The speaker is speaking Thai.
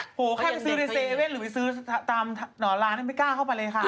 คุณแม่โหแค่ไปซื้อในเซเว่นหรือไปซื้อตามหน่วนร้านนี่ไม่กล้าเข้าไปเลยค่ะ